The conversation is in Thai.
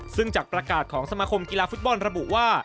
ซึ่งจากประกาศของสมาคมกีฬาฟุตบอลระบุว่า